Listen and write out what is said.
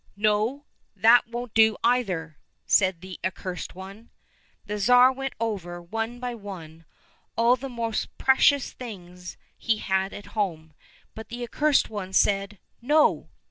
"—" No, that won't do either !" said the Ac cursed One. The Tsar went over, one by one, all the most precious things he had at home, but the Accursed One said " No